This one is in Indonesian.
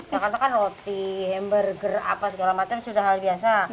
makanan itu kan roti hamburger segala macam sudah hal biasa